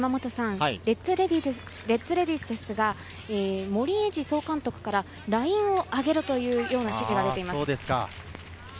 レッズレディースですが森栄次総監督からラインを上げろという指示が出ています。